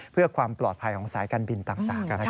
เพื่อความปลอดภัยของสายการบินต่าง